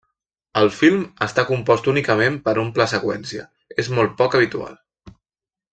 El film està compost únicament per un pla seqüència, és molt poc habitual.